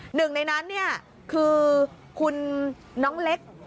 หนึ่งในนั้นเนี่ยคือคุณน้องเล็ก